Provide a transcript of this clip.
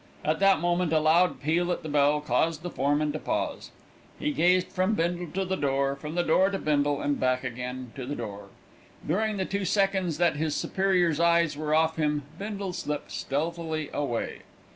At that moment a loud peal at the bell caused the foreman to pause. He gazed from Bindle to the door, from the door to Bindle, and back again to the door. During the two seconds that his superior's eyes were off him Bindle slipped stealthily away.